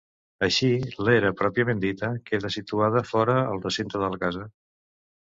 Així, l'era pròpiament dita, queda situada fora el recinte de la casa.